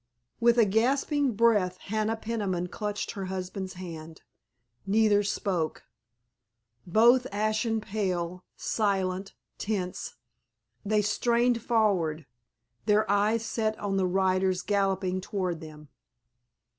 With a gasping breath Hannah Peniman clutched her husband's hand. Neither spoke. Both ashen pale, silent, tense, they strained forward, their eyes set on the riders galloping toward them.